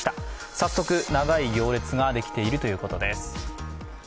早速、長い行列ができているということです。